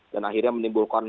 dan akhirnya menimbulkan